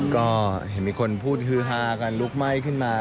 ก็เห็นมีคนพูดฮือฮากันลุกไหม้ขึ้นมา